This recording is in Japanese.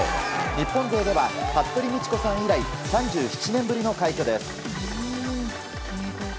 日本勢では服部道子さん以来３７年ぶりの快挙です。